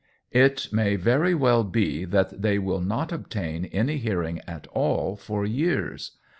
It may very well be that they will not obtain any hear ing at all for years.